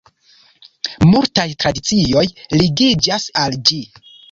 Multaj tradicioj ligiĝas al ĝi.